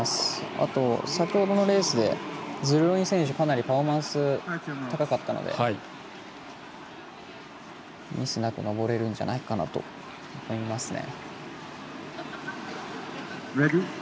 あと、先ほどのレースでズルロニ選手かなりパフォーマンス高かったのでミスなく登れるんじゃないかなと思いますね。